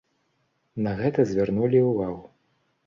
На гэта звярнулі ўвагу.